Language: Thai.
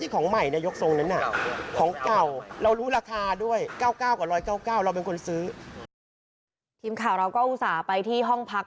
ทีมข่าวเราก็อุตส่าห์ไปที่ห้องพัก